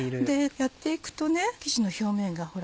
やっていくと生地の表面がほら。